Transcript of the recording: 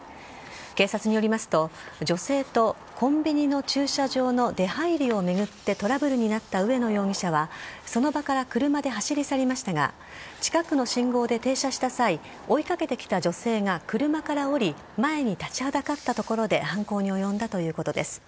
警察によりますと女性とコンビニの駐車場の出入りを巡ってトラブルになった上野容疑者はその場から車で走り去りましたが近くの信号で停車した際に追いかけてきた女性が車から降り前に立ちはだかったところで犯行に及んだということです。